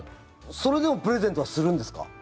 それでもプレゼントはするんですか。